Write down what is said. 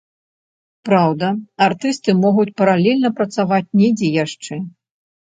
Праўда, артысты могуць паралельна працаваць недзе яшчэ.